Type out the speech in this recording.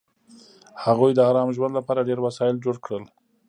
هغوی د ارام ژوند لپاره ډېر وسایل جوړ کړل